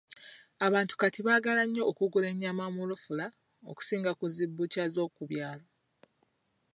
Abantu Kati baagala nnyo okugula ennyama mu lufula okusinga ku zi Bbukya z'oku byalo.